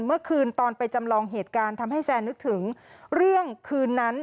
เมื่อคืนตอนไปจำลองเหตุการณ์ทำให้แซนนึกถึงเรื่องคืนนั้น